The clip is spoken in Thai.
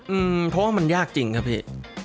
อืมเพราะว่ามันยากจริงครับพี่